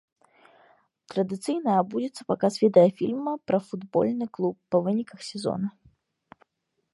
Традыцыйна адбудзецца паказ відэафільма пра футбольны клуб па выніках сезона.